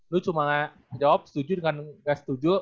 lu cuma jawab setuju dengan gak setuju